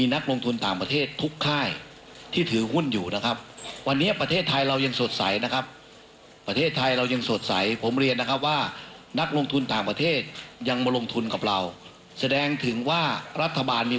ในการที่รักลงทุนยังไม่ลงในขณะนี้